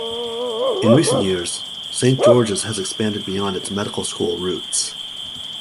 In recent years, Saint George's has expanded beyond its medical schools roots.